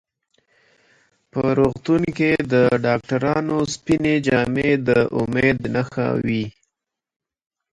په روغتون کې د ډاکټرانو سپینې جامې د امید نښه وي.